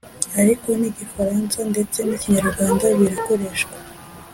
ariko n’igifaransa ndetse n’ikinyarwanda birakoreshwa